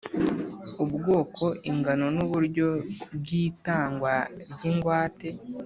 Ubwoko ingano n uburyo bw itangwa ry ingwate